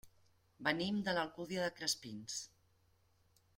Venim de l'Alcúdia de Crespins.